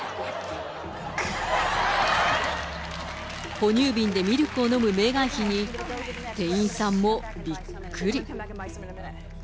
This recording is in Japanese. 哺乳瓶でミルクを飲むメーガン妃に、店員さんもびっくり。